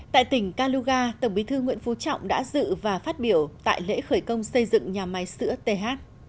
tại tỉnh kaluga tổng bí thư nguyễn phú trọng đã dự và phát biểu tại lễ khởi công xây dựng nhà máy sữa th